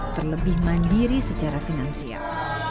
terlebih mandiri secara finansial